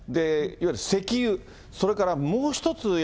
いわゆる石油、それからもう一つ